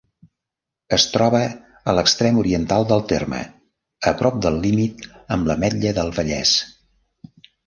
Es troba a l'extrem oriental del terme, a prop del límit amb l'Ametlla del Vallès.